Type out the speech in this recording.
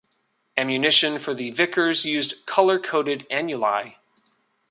Ammunition for the Vickers used colour-coded annuli.